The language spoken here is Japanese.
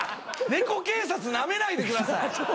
猫警察なめないでください。